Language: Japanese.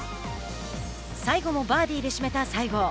最後もバーディーで締めた西郷。